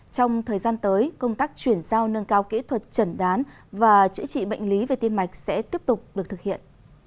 trong thời gian tới công tác chuyển giao nâng cao kỹ thuật trần đán và chữa trị bệnh lý về tim mạch sẽ tiếp tục được thực hiện